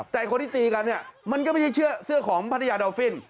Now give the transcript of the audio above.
แต่คนที่ตีกันเนี่ยมันก็ไม่ใช่เสื้อของพัทยาดอลฟิน